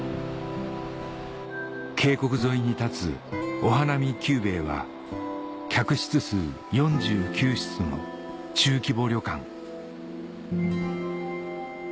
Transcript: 渓谷沿いに立つ客室数４９室の中規模旅館